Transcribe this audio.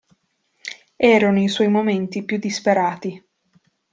Erano i suoi momenti più disperati.